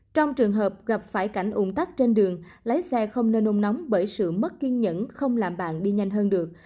trong trường hợp gặp phải cảnh ủng tắc trên đường lái xe không nên nôn nóng bởi sự mất kiên nhẫn không làm bạn đi nhanh hơn được